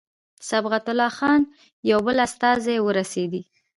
صبغت الله خان یو بل استازی ورسېدی.